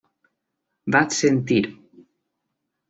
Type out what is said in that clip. Vaig sentir.